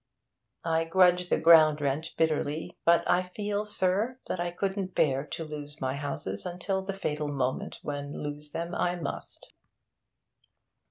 I grudge the ground rent bitterly, but I feel, sir, that I couldn't bear to lose my houses until the fatal moment, when lose them I must.'